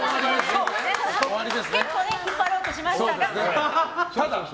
結構引っ張ろうとしましたが。